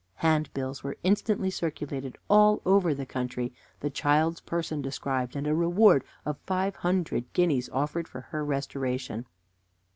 Handbills were instantly circulated all over the country, the child's person described, and a reward of five hundred guineas offered for her restoration.